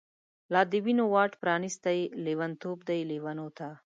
لا د وینو واټ پرانیستۍ، لیونتوب دی لیونوته